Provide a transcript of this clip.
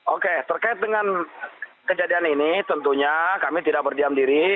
oke terkait dengan kejadian ini tentunya kami tidak berdiam diri